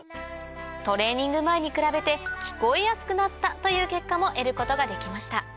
トレーニング前に比べて聞こえやすくなったという結果も得ることができました